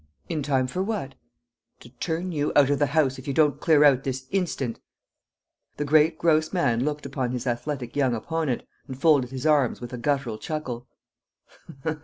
"In time for what?" "To turn you out of the house if you don't clear out this instant!" The great gross man looked upon his athletic young opponent, and folded his arms with a guttural chuckle.